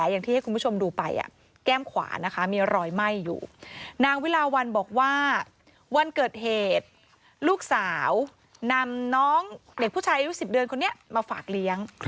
ลูกสาวนำน้องเด็กผู้ชาย๑๐เดือนคนนี้มาฝากเลี้ยง